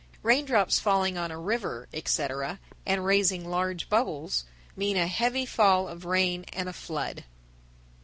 1033. Raindrops falling on a river, etc., and raising large bubbles, mean a heavy fall of rain and a flood.